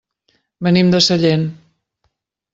Venim de Sellent.